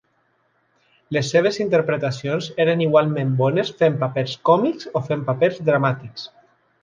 Les seves interpretacions eren igualment bones fent papers còmics o fent papers dramàtics.